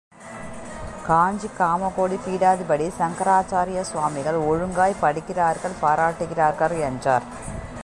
காஞ்சி காமகோடி பீடாதிபதி சங்கராச்சாரிய சுவாமிகள் ஒழுங்காய்ப் படிக்கிறார்கள் பாராட்டுகிறார்கள் என்றார்.